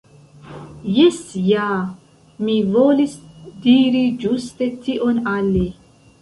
Jes ja, mi volis diri ĝuste tion al li.